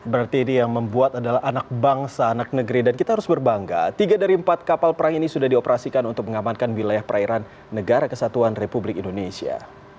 berarti ini yang membuat adalah anak bangsa anak negeri dan kita harus berbangga tiga dari empat kapal perang ini sudah dioperasikan untuk mengamankan wilayah perairan negara kesatuan republik indonesia